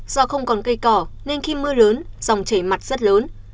do không còn cây cỏ nên khi mưa lớn dòng chảy mặt rất lớn